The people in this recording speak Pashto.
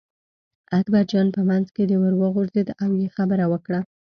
اکبرجان په منځ کې ور وغورځېد او یې خبره وکړه.